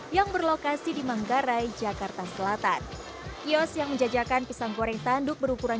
yang berlokasi di manggarai jakarta selatan kios yang menjajakan pisang goreng tanduk berukuran